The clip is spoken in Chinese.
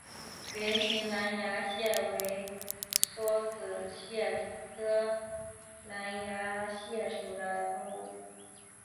圆形狼牙蟹为梭子蟹科狼牙蟹属的动物。